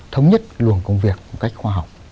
thống nhất luồng công việc một cách khoa học